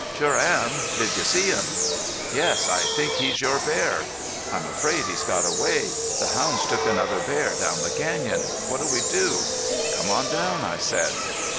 "Sure am.... Did you see him?" "Yes. I think he's your bear." "I'm afraid he's got away. The hounds took another bear down the canyon. What'll we do?" "Come on down," I said.